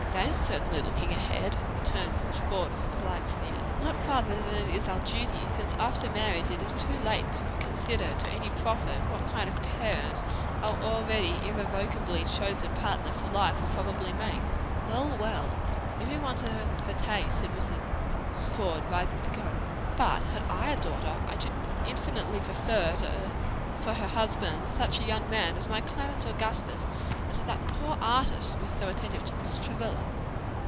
"That is certainly looking far ahead," returned Mrs. Faude, with a polite sneer. "Not farther than is our duty, since after marriage it is too late to consider, to any profit, what kind of parent our already irrevocably chosen partner for life will probably make." "Well, well, every one to her taste!" said Mrs. Faude, rising to go, "but had I a daughter, I should infinitely prefer for her husband, such a young man as my Clarence Augustus to such as that poor artist who is so attentive to Miss Travilla.